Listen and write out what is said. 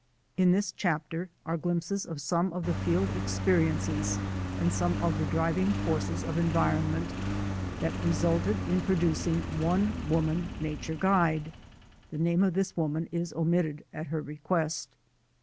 In this chapter are glimpses of some of the field expe riences and some of the driving forces of environ ment that resulted in producing one woman na ture guide. The name of this woman is omitted at her request.